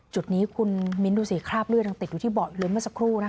จุดนี้คุณมิ้นดูสิคราบเลือดยังติดอยู่ที่เบาะอยู่เลยเมื่อสักครู่นะคะ